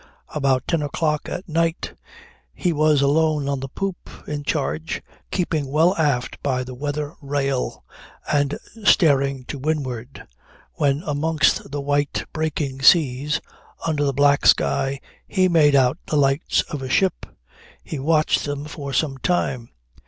About ten o'clock at night he was alone on the poop, in charge, keeping well aft by the weather rail and staring to windward, when amongst the white, breaking seas, under the black sky, he made out the lights of a ship. He watched them for some time.